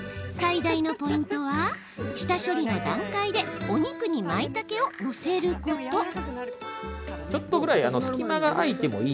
最大のポイントは下処理の段階でお肉にまいたけをのせること。